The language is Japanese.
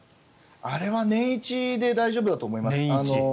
あれは年１で大丈夫だと思います。